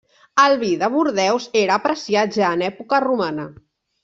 El vi de Bordeus era apreciat ja en època romana.